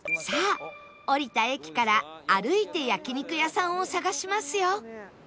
さあ降りた駅から歩いて焼肉屋さんを探しますよ